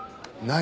何？